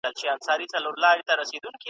هم په منډه پهلوان وو تر هوسیانو .